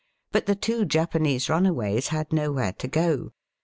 But the two Japanese runaways had nowhere to go.